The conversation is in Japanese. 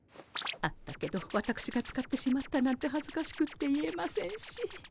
あったけどわたくしが使ってしまったなんてはずかしくって言えませんし。